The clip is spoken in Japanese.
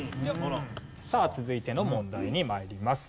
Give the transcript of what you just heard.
さあ続いての問題に参ります。